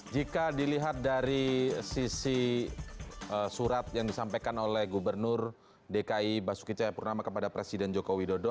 jika dilihat dari sisi surat yang disampaikan oleh gubernur dki basuki cahayapurnama kepada presiden joko widodo